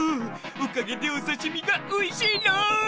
おかげでおさしみがおいしいろん！